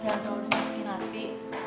jangan tahu udah masukin latih